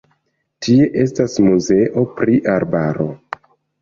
Tie estas muzeo pri arbaro.